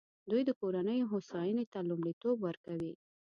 دوی د کورنیو هوساینې ته لومړیتوب ورکوي.